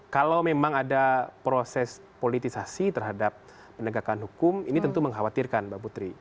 kalau memang ada proses politisasi terhadap penegakan hukum ini tentu mengkhawatirkan mbak putri